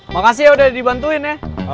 makasih ya udah dibantuin ya